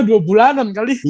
udah dua bulanan kali sih